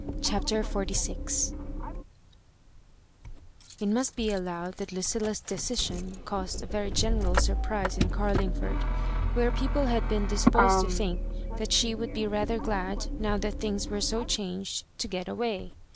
CHAPTER XLYL It must be allowed that Lucilla's decision caused very general surprise in Carlingford, where peo ple had been disposed to think that she would be rather glad, now that things were so changed, to get away.